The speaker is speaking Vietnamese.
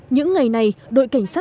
những ngày này đội cảnh sát